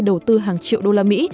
đầu tư hàng triệu đô la mỹ